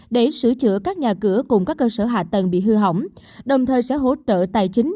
để sửa chữa các nhà cửa cùng các cơ sở hạ tầng bị hư hỏng đồng thời sẽ hỗ trợ tài chính